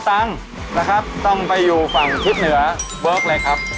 ต้องไปอยู่ฝั่งทิศเหนือเบิร์ก